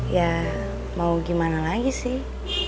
ya mau gimana lagi sih